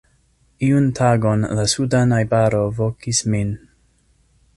Iun tagon la suda najbaro vokis min.